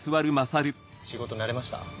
仕事慣れました？